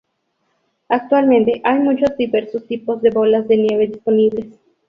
Actualmente, hay muchos diversos tipos de bolas de nieve disponibles.